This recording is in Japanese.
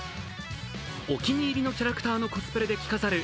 お気に入りのキャラクターのコスプレで着飾る